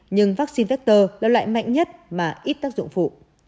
nhưng vắc xin vector là loại mạnh nhất mà ít tác dụng phụ